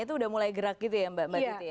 itu sudah mulai gerak gitu ya mbak giti